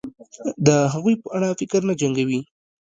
د هغوی په اړه فکر نه جنګوي